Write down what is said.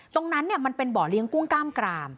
ตรงนั้นเนี่ยมันเป็นบ่อเลี้ยงกุ้งกล้ามกราม